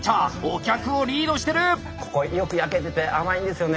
お客をリードしてる！